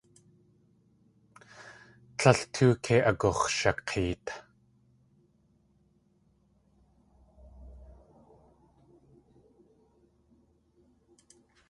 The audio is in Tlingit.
Tlél tóo kei agux̲shak̲eet.